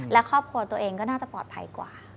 และครอบครัวตัวเองก็น่าจะปลอดภัยกว่า